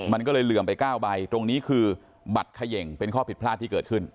มันก็เลยเหลื่อมไป๙ใบตรงนี้คือบัตรเขย่งเป็นข้อผิดพลาดที่เกิดขึ้น